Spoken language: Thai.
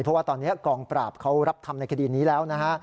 เพราะว่าตอนนี้กองปราบเขารับทำในคดีนี้แล้วนะฮะ